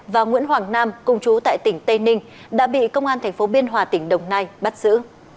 và nguyễn hoàng nam cùng chú tại tỉnh tây ninh đã bị công an tp biên hòa tỉnh đồng nai bắt giữ